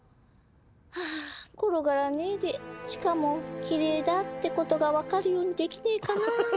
ハァ転がらねえでしかもきれいだってことが分かるようにできねえかな。